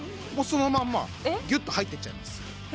そのまんまぎゅっと入ってっちゃいます